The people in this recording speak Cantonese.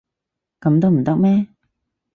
噉都唔得咩？